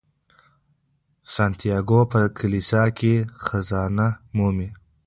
سانتیاګو په کلیسا کې خزانه مومي.